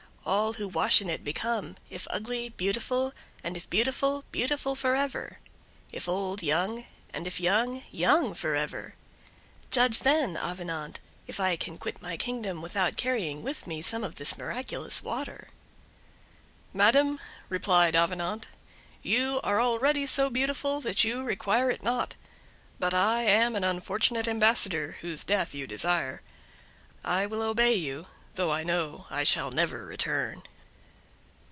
All who wash in it become, if ugly, beautiful, and if beautiful, beautiful forever; if old, young; and if young, young forever. Judge then, Avenant, if I can quit my kingdom without carrying with me some of this miraculous water." "Madam," replied Avenant, "you are already so beautiful that you require it not; but I am an unfortunate ambassador whose death you desire; I will obey you, though I know I shall never return."